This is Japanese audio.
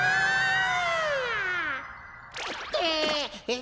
え！？